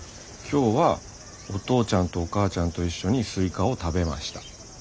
「今日はお父ちゃんとお母ちゃんと一緒にすいかを食べました」。